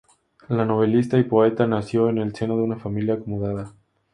La novelista y poeta nació en el seno de una familia acomodada.